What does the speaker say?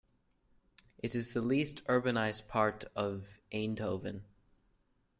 It is the least urbanised part of Eindhoven.